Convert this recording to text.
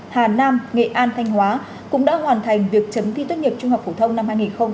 hà nam nghệ an thanh hóa cũng đã hoàn thành việc chấm thi tốt nghiệp trung học phổ thông năm hai nghìn hai mươi